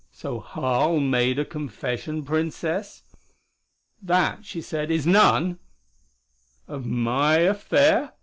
"So Harl made a confession, Princess?" "That," she said, "is none " "Of my affair?